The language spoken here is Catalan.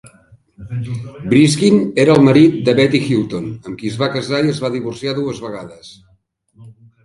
Briskin era el marit de Betty Hutton, amb qui es va casar i es va divorciar dues vegades.